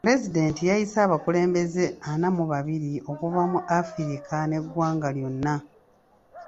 Pulezidenti yayise abakulembeze ana mu babiri okuva mu Afirika n'eggwanga lyonna.